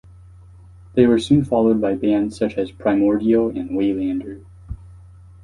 They were soon followed by bands such as Primordial and Waylander.